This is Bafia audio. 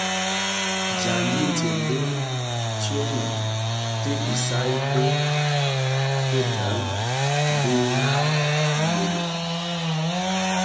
Dyandi itsem bi tyoma ti isaï ki dèň dhi ibëňi.